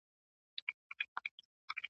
ته مي لیدې چي دي د پرخي مرغلیني دانې `